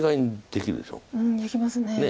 できますね。